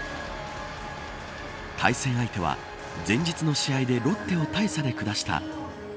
対戦相手は、前日の試合でロッテを大差で下した